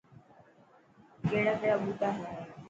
ڪهڙا ڪهڙا ٻوٽا هي.